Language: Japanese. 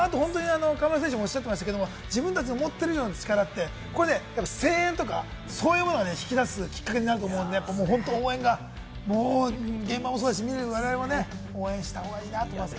河村選手もおっしゃってましたけれども、自分たちの持っている以上の力って、これね声援とか、そういうものが引き出すきっかけになると思うので本当、応援が現場もそうですし、我々もね、応援した方がいいなと思います。